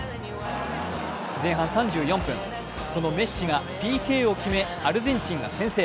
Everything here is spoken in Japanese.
前半３４分、そのメッシがＰＫを決め、アルゼンチンが先制。